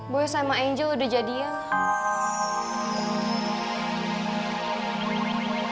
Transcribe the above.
boy sama angel udah jadian